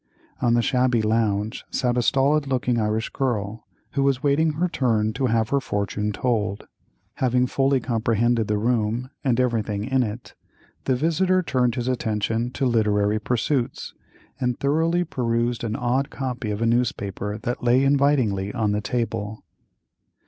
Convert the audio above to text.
On the shabby lounge sat a stolid looking Irish girl, who was waiting her turn to have her fortune told. Having fully comprehended the room and everything in it, the visitor turned his attention to literary pursuits, and thoroughly perused an odd copy of a newspaper that lay invitingly on the table.